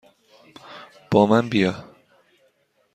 با من بیا!